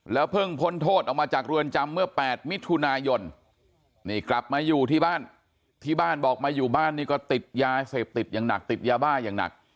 เพิ่งพ้นโทษออกมาจากเรือนจำเมื่อ๘มิถุนายนนี่กลับมาอยู่ที่บ้านที่บ้านบอกมาอยู่บ้านนี่ก็ติดยาเสพติดอย่างหนักติดยาบ้าอย่างหนัก